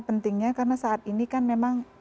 pentingnya karena saat ini kan memang